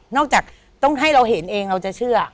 จากต้องให้เราเห็นเองเราจะเชื่อ